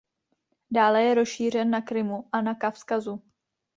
Dále je rozšířen na Krymu a na Kavkazu.